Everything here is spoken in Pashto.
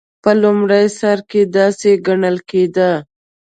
په لومړي سر کې داسې ګڼل کېده.